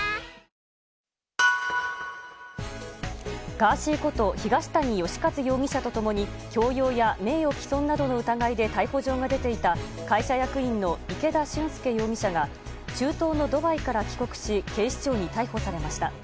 ガーシーこと東谷義和容疑者と共に強要や名誉毀損などの疑いで逮捕状が出ていた会社役員の池田俊輔容疑者が中東のドバイから帰国し警視庁に逮捕されました。